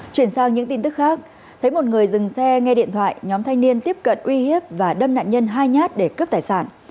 chuyển sang những tin tức khác thấy một người dừng xe nghe điện thoại nhóm thanh niên tiếp cận uy hiếp và đâm nạn nhân hai nhát để cướp tài sản